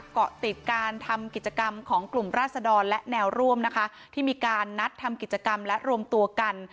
เกาะติดการทำกิจกรรมของกลุ่มราศดรและแนวร่วมนะคะที่มีการนัดทำกิจกรรมและรวมตัวกัน